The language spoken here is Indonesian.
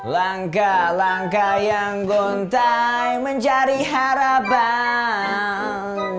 langkah langkah yang gontai menjadi harapan